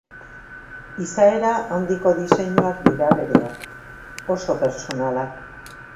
Izaera handiko diseinuak dira bereak, oso pertsonalak.